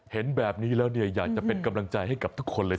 เห็นแบบนี้แล้วเนี่ยอยากจะเป็นกำลังใจให้กับทุกคนเลย